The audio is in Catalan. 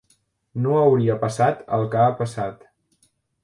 No hauria passat el que ha passat.